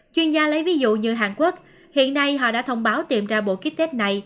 chuyên gia lấy ví dụ như hàn quốc hiện nay họ đã thông báo tìm ra bộ kích tết này